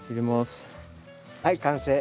はい完成。